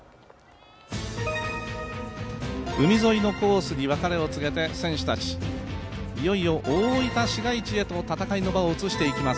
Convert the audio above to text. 海沿いのコースに別れを告げて選手たち、いよいよ大分市街地へと戦いの場を移していきます。